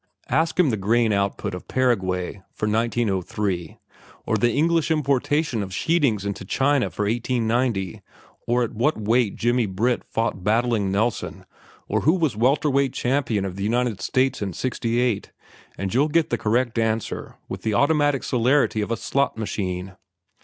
Ask him the grain output of Paraguay for 1903, or the English importation of sheetings into China for 1890, or at what weight Jimmy Britt fought Battling Nelson, or who was welter weight champion of the United States in '68, and you'll get the correct answer with the automatic celerity of a slot machine.